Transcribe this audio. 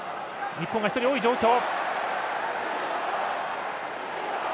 日本が１人多い状況。